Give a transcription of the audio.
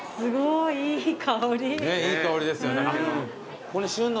ねっいい香りですよね。